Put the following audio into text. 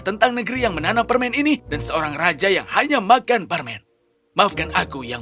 tentang negeri yang menanam permen ini dan seorang raja yang hanya makan permen maafkan aku yang